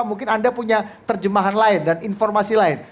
mungkin anda punya terjemahan lain dan informasi lain